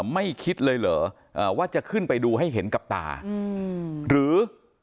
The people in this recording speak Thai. ไม่คิดเลยเหรอว่าจะขึ้นไปดูให้เห็นกับตาหรือ